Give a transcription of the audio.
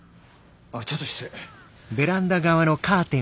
ああちょっと失礼。